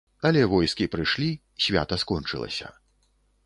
Але войскі прыйшлі, свята скончылася.